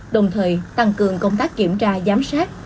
đồng thời tăng cường công tác kiểm tra giám sát